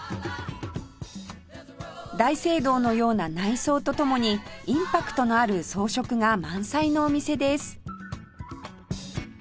大聖堂のような内装とともにインパクトのある装飾が満載のお店です